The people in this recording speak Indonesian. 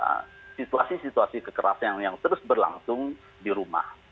karena situasi situasi kekerasan yang terus berlangsung di rumah